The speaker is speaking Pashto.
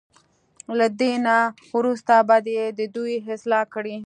له دې نه وروسته به ته د دوی اصلاح کړې.